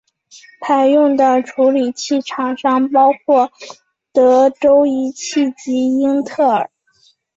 采用的处理器厂商包括德州仪器及英特尔。